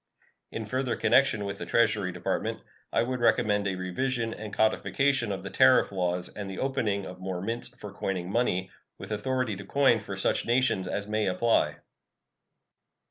In further connection with the Treasury Department I would recommend a revision and codification of the tariff laws and the opening of more mints for coining money, with authority to coin for such nations as may apply.